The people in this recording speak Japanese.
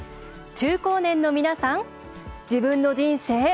中高年の皆さん自分の人生